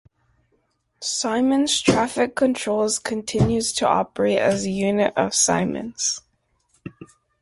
Siemens Traffic Controls continues to operate as a unit of Siemens.